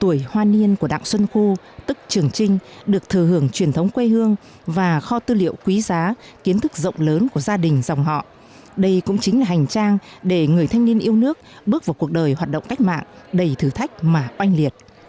năm tuổi hoan niên của đặng xuân khu tức trường trinh được thờ hưởng truyền thống quê hương và kho tư liệu quý giá kiến thức rộng lớn của gia đình dòng họ đây cũng chính là hành trang để người thanh niên yêu nước bước vào cuộc đời hoạt động cách mạng đầy thử thách mà oanh liệt